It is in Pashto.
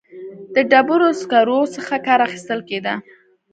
د ډبرو سکرو څخه کار اخیستل کېده.